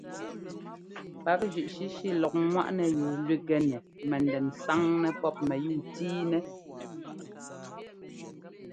Pǎkzʉ́ꞌshíshí lɔk ŋ́waꞌnɛyúu lúgɛ nɛ mɛndɛn sáŋnɛ pɔ́p mɛyúu tíinɛ́.